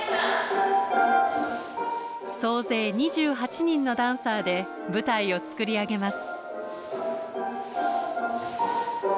総勢２８人のダンサーで舞台を作り上げます。